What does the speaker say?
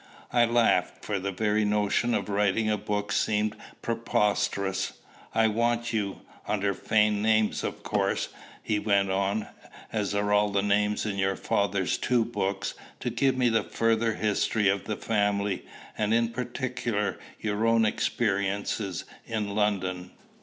I laughed; for the very notion of writing a book seemed preposterous. "I want you, under feigned names of course," he went on, "as are all the names in your father's two books, to give me the further history of the family, and in particular your own experiences in London.